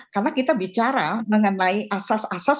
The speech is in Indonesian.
karena kita bicara mengenai asas asas